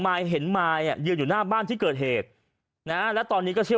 ยเห็นมายอ่ะยืนอยู่หน้าบ้านที่เกิดเหตุนะและตอนนี้ก็เชื่อ